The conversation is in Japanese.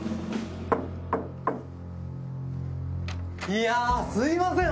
いやすいません